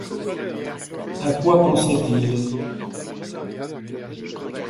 À quoi pensait-il